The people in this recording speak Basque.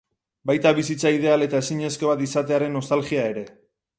Baita bizitza ideal eta ezinezko bat izatearen nostalgia ere.